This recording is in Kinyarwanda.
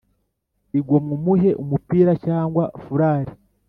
igomwe umuhe umupira cyangwa furari